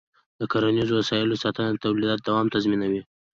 د کرنيزو وسایلو ساتنه د تولید دوام تضمینوي.